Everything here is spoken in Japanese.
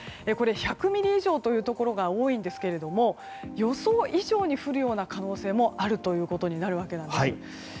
これ、１００ミリ以上というところが多いんですが予想以上に降る可能性もあるわけです。